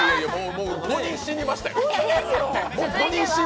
もう５人死にましたよ。